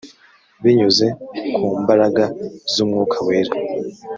Binyuze ku mbaraga z umwuka wera